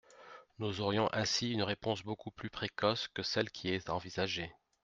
Nous aurions ainsi une réponse beaucoup plus précoce que celle qui est envisagée.